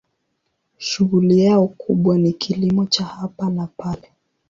Shughuli yao kubwa ni kilimo cha hapa na pale.